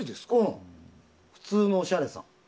普通のおしゃれさん。